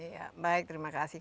ya baik terima kasih